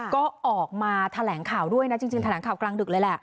ก็ออกมาแถลงข่าวด้วยนะจริงแถลงข่าวกลางดึกเลยแหละ